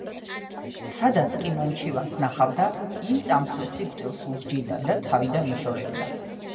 სადაც კი მომჩივანს ნახავდა, იმ წამსვე სიკვდილს უსჯიდა და თავიდან იშორებდა.